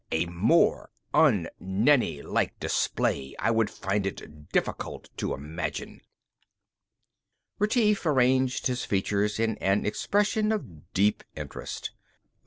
A more un Nenni like display I would find it difficult to imagine!" Retief arranged his features in an expression of deep interest.